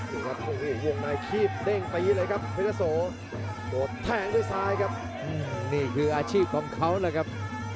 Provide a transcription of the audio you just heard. ผู้อยู่วงในขีบเด้งปีเลยครับเพชรโซโดดแทงด้วยสายครับอือนี่คืออาชีพของเขาเลยครับ